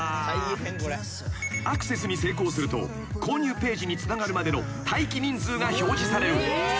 ［アクセスに成功すると購入ページにつながるまでの待機人数が表示される］